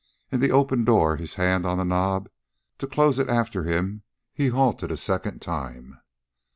In the open door, his hand on the knob to close it after him, he halted a second time.